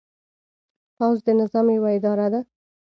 پوځ د نظام یوه اداره ده.